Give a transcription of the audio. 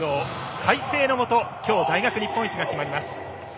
快晴のもと、今日大学日本一が決まります。